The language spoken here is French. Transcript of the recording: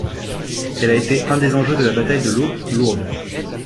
Elle a été un des enjeux de la bataille de l'eau lourde.